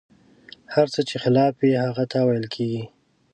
هر څه چې خلاف وي، هغه تاویل کېږي.